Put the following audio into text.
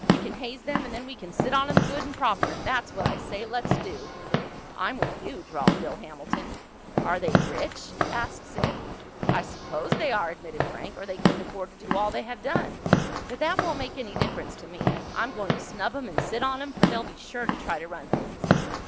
We can haze them and then we can sit on 'em good and proper, and that's what I say let's do!" "I'm with you," drawled Bill Hamilton. "Are they rich?" asked Sid. "I s'pose they are," admitted Frank, "or they couldn't afford to do all they have done. But that won't make any difference to me. I'm going to snub 'em and sit on 'em, for they'll be sure to try to run things."